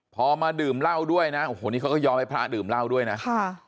พอมาดื่มเหล้าด้วยนะโอ้โหนี่เขาก็ยอมให้พระดื่มเหล้าด้วยนะค่ะ